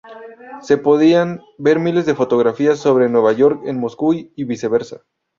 Se podían ver miles de fotografías sobre Nueva York en Moscú y viceversa.